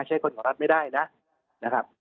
ใช้คนของรัฐไม่ได้นะ